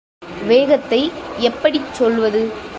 வேகத்தை எப்படிச் சொல்வது?